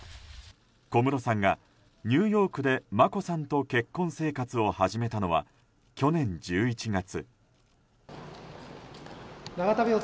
小室さんがニューヨークで眞子さんと結婚生活を始めたのは去年１１月。